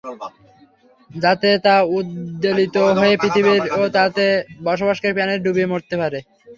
যাতে তা উদ্বেলিত হয়ে পৃথিবী ও তাতে বসবাসকারী প্রাণীদেরকে ডুবিয়ে মারতে না পারে।